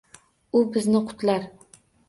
U bizni qutlar!